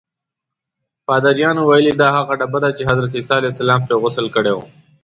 پادریانو ویلي دا هغه ډبره ده چې حضرت عیسی پرې غسل کړی و.